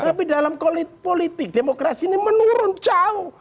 tapi dalam politik demokrasi ini menurun jauh